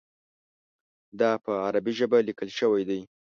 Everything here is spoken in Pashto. دا په عربي ژبه لیکل شوی دی.